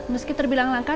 meski terbilang langka